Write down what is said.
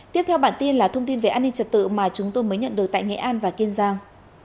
tiếp theo bản tin là thông tin về an ninh trật tự mà chúng tôi mới nhận được tại nghệ an và kiên giang